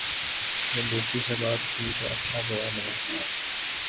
جب دوستوں سے بات کی تو اچھا جواب ملا